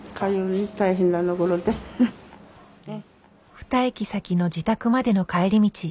２駅先の自宅までの帰り道。